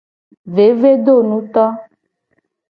Vevedonuto.